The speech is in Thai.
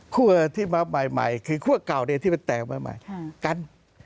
ขั้วที่มาใหม่คือขั้วเก่าเนี่ยที่มันแต่ใหม่กัน